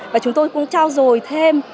và chúng tôi cũng trao dồi thêm